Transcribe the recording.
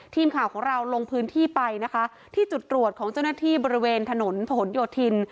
ทีมข่าวของเราลงพื้นที่ไปนะคะที่จุดตรวจของเจ้าหน้าที่บริเวณถนนผนโยธิน